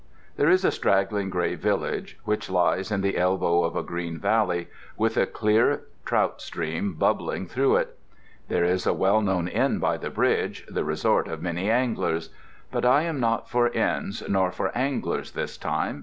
There is a straggling gray village which lies in the elbow of a green valley, with a clear trout stream bubbling through it. There is a well known inn by the bridge, the resort of many anglers. But I am not for inns nor for anglers this time.